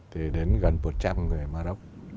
thì đến gần một trăm linh người morocco